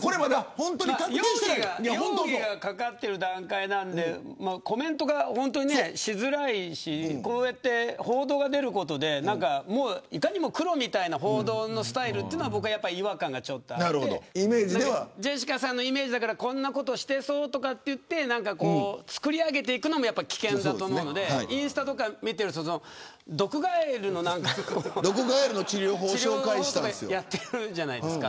容疑がかかっている段階なんでコメントがしづらいしこうして報道が出ることでいかにも黒みたいな報道のスタイルは違和感がちょっとあってジェシカさんのイメージだからこんなことしてそうとか言ってつくり上げていくのも危険だと思うのでインスタとか見てると毒ガエルの何か治療法とかやってるじゃないですか。